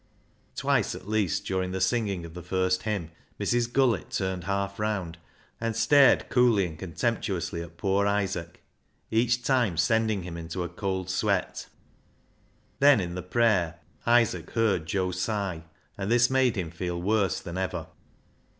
Twice, at least, during the singing of the first hymn Mrs. Gullett turned half round, and stared coolly and contemptuously at poor Isaac, each time sending him into a cold sweat. Then in the prayer Isaac heard Joe sigh, and this made him feel worse than ever.